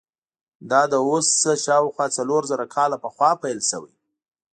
دا له اوس نه شاوخوا څلور زره کاله پخوا پیل شوی.